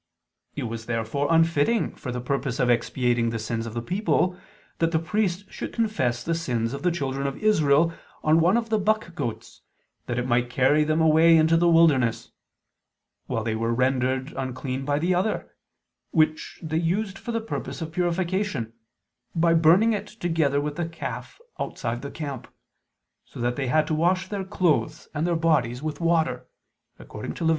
It was therefore unfitting for the purpose of expiating the sins of the people that the priest should confess the sins of the children of Israel on one of the buck goats, that it might carry them away into the wilderness: while they were rendered unclean by the other, which they used for the purpose of purification, by burning it together with the calf outside the camp; so that they had to wash their clothes and their bodies with water (Lev.